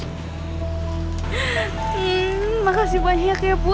hmm makasih banyak ya bu